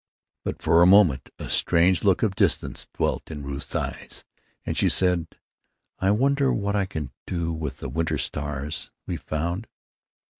But for a moment a strange look of distance dwelt in Ruth's eyes, and she said: "I wonder what I can do with the winter stars we've found?